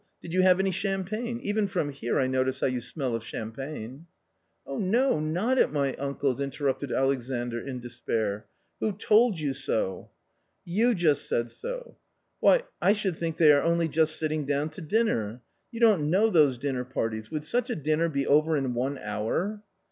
Did you have any champagne ? Even from here I notice how you smell of champagne." "Oh no, not at my uncled," interrupted Alexandr in despair. " Who told you so ?"" You just said so." " Why, I should think they are only just sitting down to his dinner. You don't know those dinner parties; would such a dinner be over in one hour